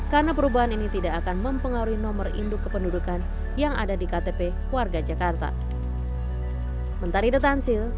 karena perubahan ini tidak akan mempengaruhi nomor induk kependudukan yang ada di ktp warga jakarta